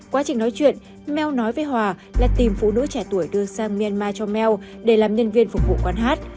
quá trình nói chuyện meo nói với hòa là tìm phụ nữ trẻ tuổi đưa sang myanmar cho mell để làm nhân viên phục vụ quán hát